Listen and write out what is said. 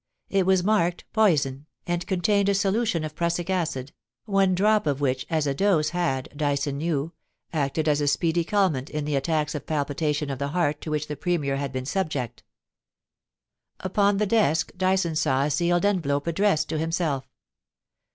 It was marked * Poison,' and contained a solution of prussic acid, one drop of which as a dose had, Dyson knew, acted as a speedy calmant in the attacks of palpitation of the heart to which the Premier had been subject Upon the desk Dyson saw a sealed envelope addressed to himself.